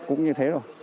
cũng như thế rồi